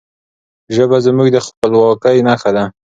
ژبه زموږ د خپلواکی نښه ده.